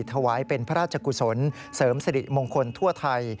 ถวายเป็นพระราชกุศลเสริมสริมงคลทั่วไทย